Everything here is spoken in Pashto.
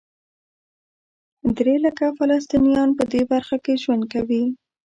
درې لکه فلسطینیان په دې برخه کې ژوند کوي.